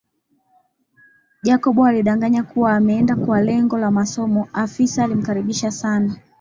Jacob alidanganya kuwa ameenda kwa lengo la masomo afisa alimkaribisha sana